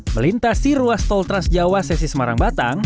melintasi ruas tol transjawa sesi semarang batang